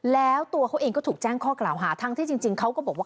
แล้วตัวเขาเองก็ถูกแจ้งข้อกล่าวหาทั้งที่จริงเขาก็บอกว่า